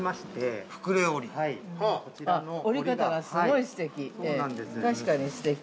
◆あっ、織り方がすごいすてき。